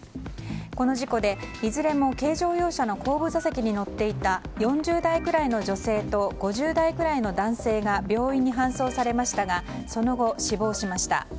この事故でいずれも軽乗用車の後部座席に乗っていた４０代くらいの女性と５０代くらいの男性が病院に搬送されましたがその後、死亡しました。